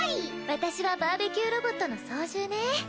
私はバーベキューロボットの操縦ね。